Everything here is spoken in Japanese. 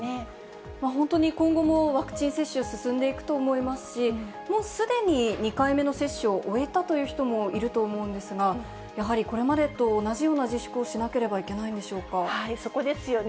本当に今後もワクチン接種、進んでいくと思いますし、もうすでに２回目の接種を終えたという人もいると思うんですが、やはりこれまでと同じような自粛をしなければいけないんでしょうそこですよね。